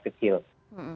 ya terpukul luar biasa